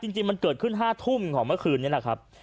จริงมันเกิดขึ้น๕ทุ่มของเมื่อคืนนี้แหละครับ